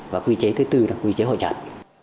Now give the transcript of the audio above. và quy chế thứ tư là quy chế hội trần